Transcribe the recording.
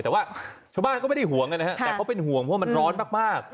แต่ว่าชาวบ้านก็ไม่ได้ห่วงนะครับแต่เขาเป็นห่วงเพราะมันร้อนมาก